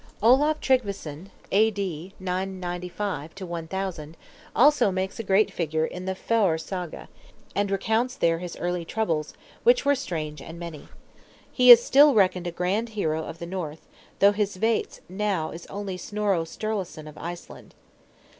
Olaf Tryggveson (A.D. 995 1000) also makes a great figure in the Faroer Saga, and recounts there his early troubles, which were strange and many. He is still reckoned a grand hero of the North, though his vates now is only Snorro Sturleson of Iceland.